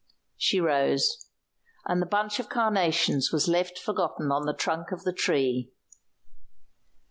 She rose. And the bunch of carnations was left forgotten on the trunk of the tree.